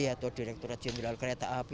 atau direkturat jenderal kereta api